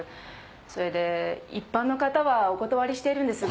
それで一般の方はお断りしているんですが。